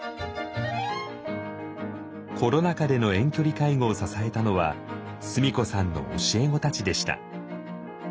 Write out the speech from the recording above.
コロナ禍での遠距離介護を支えたのは須美子さんの教え子たちでした。